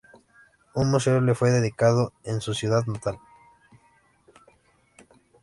Un museo le fue dedicado en su ciudad natal.